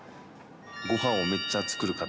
ごはんをめっちゃ作る方。